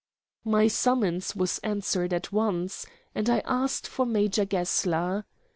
My summons was answered at once, and I asked for Major Gessler.